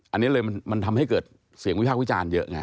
อันนี้เลยมันทำให้เกิดเสียงวิพากษ์วิจารณ์เยอะไง